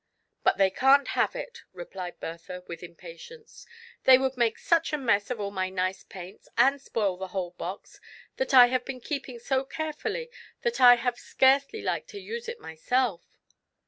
" But they can't have it/' replied Bertha, with im patience ; ''they would make such a mess of all my nice paints, and spoil the whole box, that I have been keeping so carefully that I have scarcely liked to use it myself."